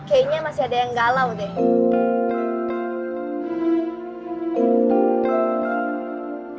kayaknya masih ada yang galau deh